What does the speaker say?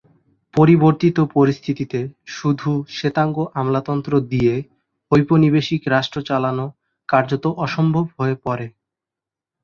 পরিবর্তিত পরিস্থিতিতে শুধু শ্বেতাঙ্গ আমলাতন্ত্র দিয়ে ঔপনিবেশিক রাষ্ট্র চালানো কার্যত অসম্ভব হয়ে পড়ে।